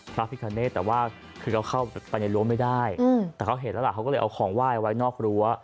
พระพิคเนธแต่ว่าคือเขาเข้าไปในรั้วไม่ได้แต่เขาเห็นแล้วล่ะเขาก็เลยเอาของไหว้ไว้นอกรั้ว